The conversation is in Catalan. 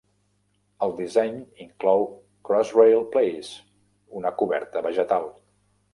El disseny inclou Crossrail Place, una coberta vegetal.